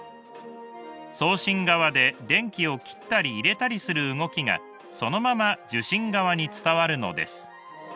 送信側で電気を切ったり入れたりする動きがそのまま受信側に伝わるのです。